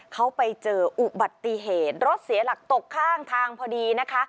เขาไปเจออุบัติเหตุรถเสียหลักตกข้างทางพอดีนะคะ